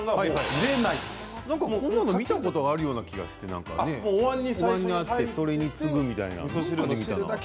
見たことあるような気がしておわんに入っていてそれにつぐみたいな。